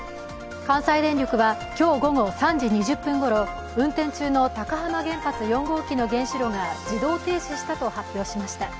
関西電力は今日午後３時２０分ごろ、運転中の高浜原発４号機の原子炉が自動停止したと発表しました。